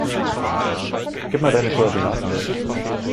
Gib mal deine Koordinaten durch.